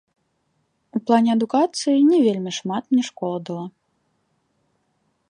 У плане адукацыі не вельмі шмат мне школа дала.